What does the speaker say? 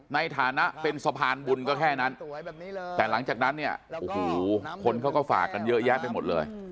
ในฐานะเป็นสะพานบุญก็แค่นั้นแต่หลังจากนั้นเนี่ยโอ้โหคนเขาก็ฝากกันเยอะแยะไปหมดเลย